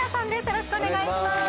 よろしくお願いします